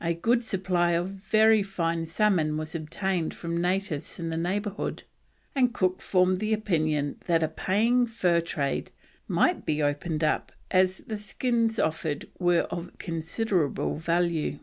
A good supply of very fine salmon was obtained from natives in the neighbourhood, and Cook formed the opinion that a paying fur trade might be opened up as the skins offered were of considerable value.